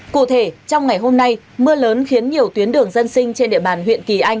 cụ thể trong ngày hôm nay mưa lớn khiến nhiều tuyến đường dân sinh trên địa bàn huyện kỳ anh